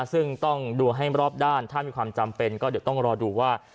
ซึ่งต้องดูให้รอบด้านถ้ามีความจำเป็นก็เดี๋ยวต้องรอดูว่า